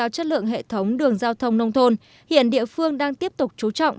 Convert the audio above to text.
chất lượng hệ thống đường giao thông nông thôn hiện địa phương đang tiếp tục chú trọng